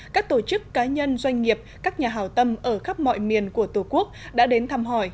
các tổ chức cá nhân doanh nghiệp các nhà hào tâm ở khắp mọi miền của tổ quốc đã đến thăm hỏi